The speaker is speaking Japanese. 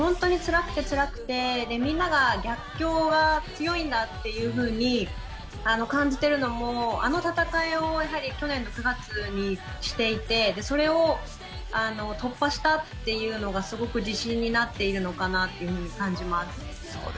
つらくて、つらくてみんなが逆境が強いんだっていうふうに感じているのもあの戦いを、去年９月にしていてそれを突破したっていうのがすごく自信になっているのかなと感じます。